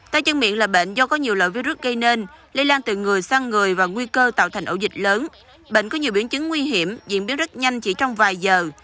tay chân miệng là bệnh do có nhiều lợi virus gây nên lây lan từ người sang người và nguy cơ tạo thành ổ dịch lớn bệnh có nhiều biển chứng nguy hiểm diễn biến rất nhanh chỉ trong vài giờ